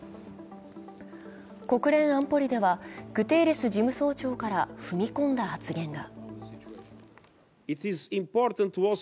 国連安保理ではグテーレス事務総長から踏み込んだ発言が。